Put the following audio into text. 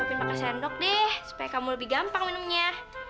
aku siapin pake sendok deh supaya kamu lebih gampang minumnya